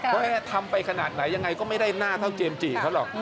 ว่าทำไปขนาดไหนยังไงก็ไม่ได้หน้าเท่าเจมสจิเขาหรอก